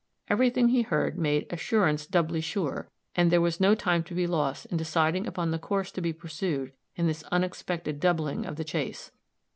Everything he heard made "assurance doubly sure;" and there was no time to be lost in deciding upon the course to be pursued in this unexpected doubling of the chase.